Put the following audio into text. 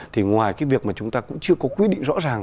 thì ngoài cái việc mà chúng ta cũng chưa có quy định rõ ràng